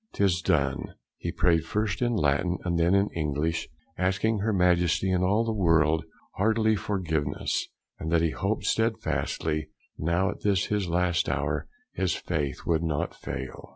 This done, he prayed first in Latin, and then in English, asking Her Majesty, and all the world, heartily, forgiveness, and that he hoped, stedfastly, now at this his last hour, his faith would not fail.